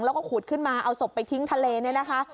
แล้วก็ขุดขึ้นมาเอาศพไปทิ้งทะเลเนี่ยนะคะ